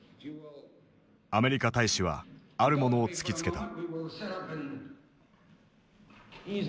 アメリカ大使はあるものを突きつけた。